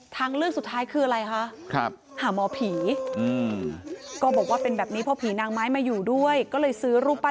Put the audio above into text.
ทางเลือกสุดท้ายคืออะไรคะ